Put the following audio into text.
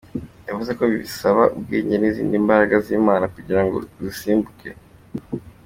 Yavuze ko bisaba ubwenge n’izindi mbaraga z'Imana kugira ngo uzisimbuke.